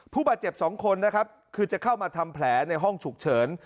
ผู้บาดเจ็บ๒คนนะครับคือจะเข้ามาทำแผลในห้องฉุกเฉิน